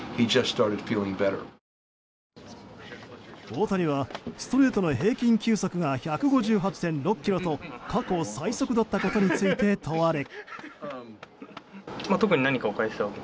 大谷はストレートの平均球速が１５８．６キロと過去最速だったことについて問われ。